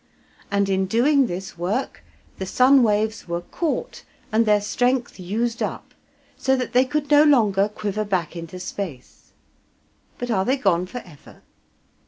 And in doing this work the sun waves were caught and their strength used up, so that they could no longer quiver back into space. But are they gone for ever?